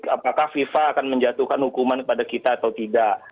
apakah fifa akan menjatuhkan hukuman kepada kita atau tidak